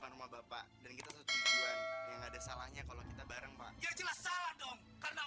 kan rumah bapak dan kita setujuan yang ada salahnya kalau kita bareng pak ya jelas salah dong karena